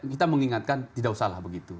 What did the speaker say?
kita mengingatkan tidak usahlah begitu